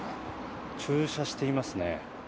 駐車していますね。